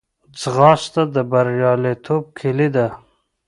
ځغاسته د بریالیتوب کلۍ ده